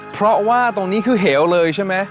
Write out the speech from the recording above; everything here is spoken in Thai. เพราะว่าตรงนี้คือเหวเลยใช่ไหม